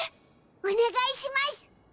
お願いします。